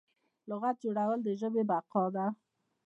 لغت جوړول د ژبې بقا ده.